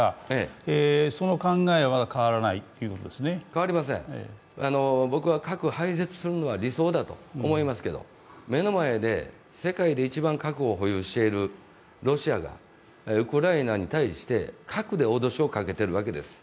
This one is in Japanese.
変わりません、僕は核廃絶するのが理想だとは思いますけど目の前で、世界で一番核を保有しているロシアが、ウクライナに対して核で脅しをかけているわけです。